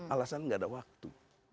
alasan tidak ada waktu